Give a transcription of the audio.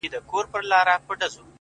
• زه به درسمه په لپه منګی ورو ورو ډکومه,